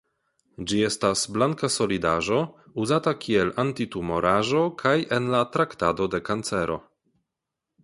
Ĝi estas blanka solidaĵo uzata kiel antitumoraĵo kaj en la traktado de kancero.